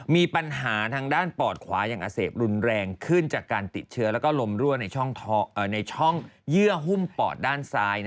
มีปัญหาทางด้านปอดขวาอย่างอักเสบรุนแรงขึ้นจากการติดเชื้อแล้วก็ลมรั่วในช่องเยื่อหุ้มปอดด้านซ้าย